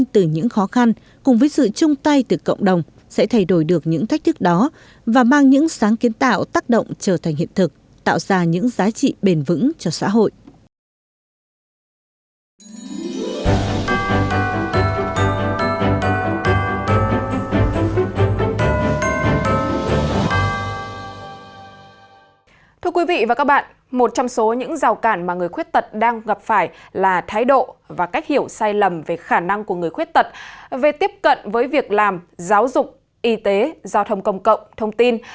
thưa quý vị và các bạn một trong số những rào cản mà người khuyết tật đang gặp phải là thái độ và cách hiểu sai lầm về khả năng của người khuyết tật về tiếp cận với việc làm giáo dục y tế giao thông công cộng thông tin